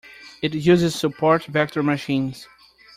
It uses support vector machines.